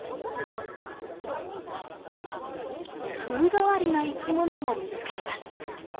風変わりな生き物も見つかります。